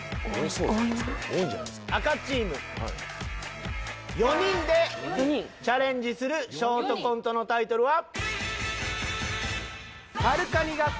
赤チーム４人でチャレンジするショートコントのタイトルは。